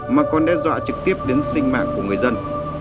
mà còn đe dọa trực tiếp đến sinh mạng của người dân